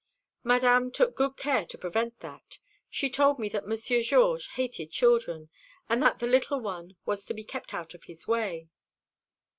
"Madame took good care to prevent that. She told me that Monsieur Georges hated children, and that the little one was to be kept out of his way."